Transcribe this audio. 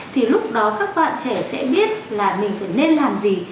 thì lúc đó các bạn trẻ sẽ biết là mình phải nên làm gì